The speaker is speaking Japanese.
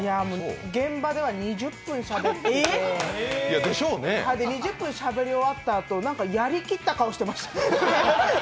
現場では２０分しゃべってて、それで２０分、しゃべり終わったあとやりきった顔してました。